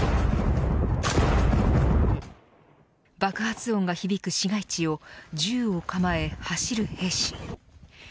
爆発音が響く市街地を銃を構え走る兵士。